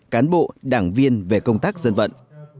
cán bộ đảng viên về công tác dân vận